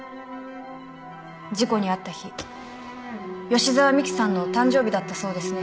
事故に遭った日吉沢未希さんの誕生日だったそうですね。